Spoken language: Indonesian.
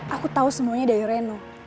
aku tahu semuanya dari reno